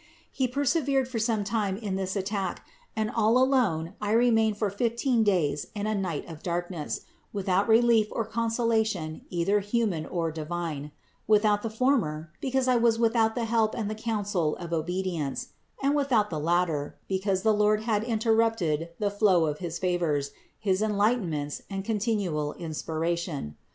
He persevered for some time in this attack and all alone I remained for fifteen days in a night of darkness, without relief or con solation either human or divine : without the former, because I was without the help and the counsel of obedi ence, and without the latter, because the Lord had inter rupted the flow of his favors, his enlightenments and continual inspiration.